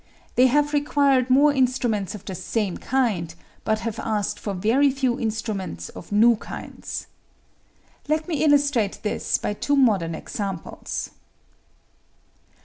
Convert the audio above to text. They have required more instruments of the same kind, but have asked for very few instruments of new kinds. Let me illustrate this by two modern examples.